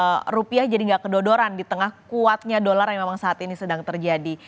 dan juga bisa membuat rupiah jadi tidak kedodoran di tengah kuatnya dolar yang memang saat ini sedang terjadi